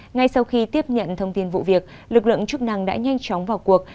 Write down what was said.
ngay sau khi tiếp nhận thông tin vụ việc lực lượng chức năng đã nhanh chóng vào cuộc